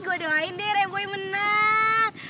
gue doain deh revoy menang